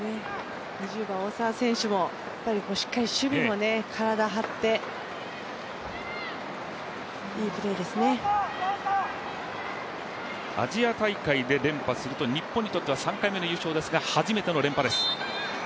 ２０番・大澤選手も、しっかり守備も体を張って、アジア大会で連覇すると日本にとっては３回目の優勝ですが初めての連覇です。